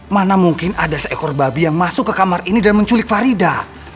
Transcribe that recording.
mana mungkin ada seekor babi yang masuk ke kamar ini dan menculik farida